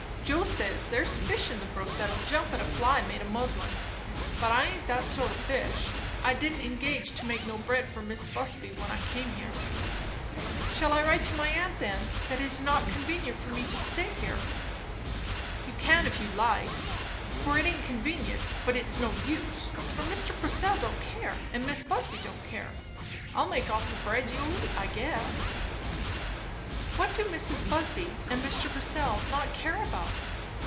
"Joe says, there's fish in the brook that'll jump at a fly made o' muslin but I aint that sort o' fish. I didn't engage to make no bread for Mis' Busby when I come here." "Shall I write to my aunt, then, that it is not convenient for me to stay here." "You can if you like, for it aint convenient; but it's no use; for Mr. Purcell don't care, and Mis' Busby don't care. I'll make all the bread you'll eat; I guess." "What do Mrs. Busby and Mr. Purcell not care about?"